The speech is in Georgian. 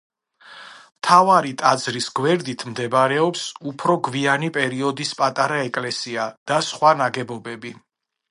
მთავარი ტაძრის გვერდით მდებარეობს უფრო გვიანი პერიოდის პატარა ეკლესია და სხვა ნაგებობები.